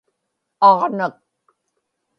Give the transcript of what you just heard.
aġnak